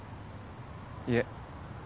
いえ。